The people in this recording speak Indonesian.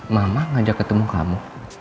mama ngajak ketemu kamu